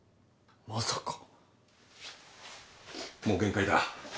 もう限界だ。